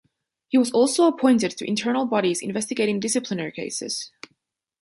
He was also appointed to internal bodies investigating disciplinary cases.